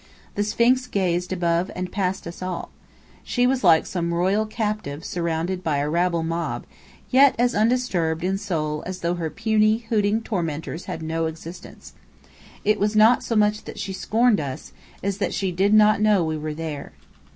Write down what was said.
The Sphinx gazed above and past us all. She was like some royal captive surrounded by a rabble mob, yet as undisturbed in soul as though her puny, hooting tormentors had no existence. It was not so much that she scorned us, as that she did not know we were there.